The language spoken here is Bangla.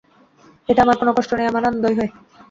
এতে আমার কোনো কষ্ট নেই, আমার আনন্দই হয়।